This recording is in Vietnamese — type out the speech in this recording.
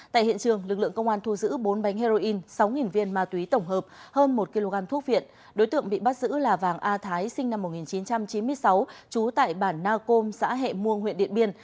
tại hiện trường lực lượng công an thu giữ bốn bánh heroin sáu viên ma túy tổng hợp hơn một kg thuốc viện đối tượng bị bắt giữ là vàng a thái sinh năm một nghìn chín trăm chín mươi sáu trú tại bản na côm xã hệ muông huyện điện biên